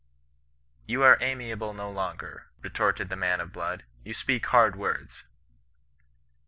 ' You are amiable no longer,' retorted the man of blood, ' you speak hard words.'